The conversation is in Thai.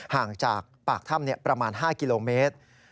ห่างจากปากถ้ำประมาณ๕กิโลเมตร